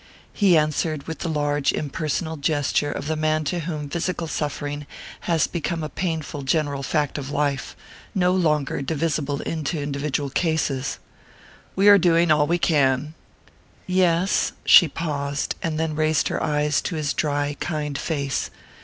He answered with the large impersonal gesture of the man to whom physical suffering has become a painful general fact of life, no longer divisible into individual cases. "We are doing all we can." "Yes." She paused, and then raised her eyes to his dry kind face.